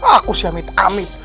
aku siam itu kami